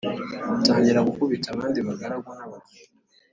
atangira gukubita abandi bagaragu n’abaja